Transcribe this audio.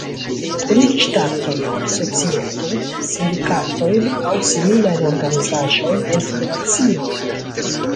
Kunigi ŝtatojn, societojn, sindikatojn aŭ similajn organizaĵojn en federacion.